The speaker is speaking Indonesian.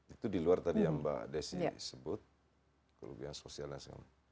itu diluar tadi yang mba adesi sebut kerugian sosialnya